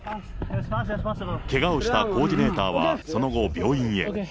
けがをしたコーディネーターはその後病院へ。